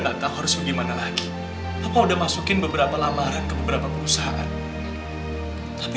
nggak tahu harus bagaimana lagi aku udah masukin beberapa lamaran ke beberapa perusahaan tapi